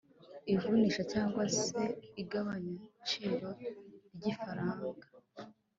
ivunjisha cyangwa se igabanyagaciro ry’ifaranga